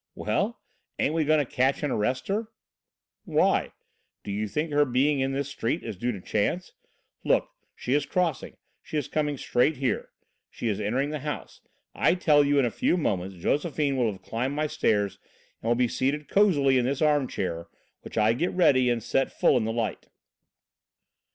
"Well, ain't we going to catch and arrest her?" "Why? Do you think her being in this street is due to chance? Look, she is crossing; she is coming straight here. She is entering the house. I tell you in a few moments Josephine will have climbed my stairs and will be seated cosily in this armchair, which I get ready and set full in the light."